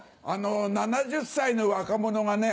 ７０歳の若者がね